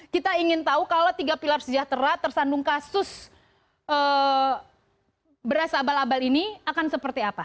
kita ingin tahu kalau tiga pilar sejahtera tersandung kasus beras abal abal ini akan seperti apa